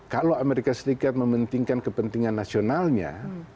kalau amerika serikat mementingkan kepentingan nasionalnya